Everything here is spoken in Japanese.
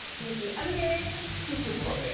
「すくすく子育て」